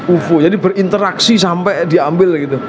ufo jadi berinteraksi sampai diambil gitu